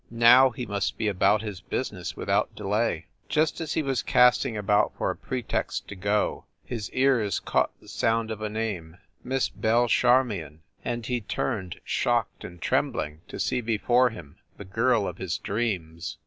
Now he must be about his business without delay. Just as he was casting about for a pretext to go, his ears caught the sound of a name "Miss Belle Charmion," and he turned, shocked and trembling, to see before him the girl of his dreams.